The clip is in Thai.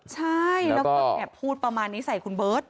ใช่แล้วก็พูดประมาณนี้ใส่คุณเบิร์ต